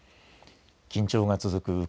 緊張が続く